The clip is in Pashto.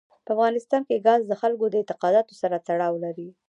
په افغانستان کې ګاز د خلکو د اعتقاداتو سره تړاو لري.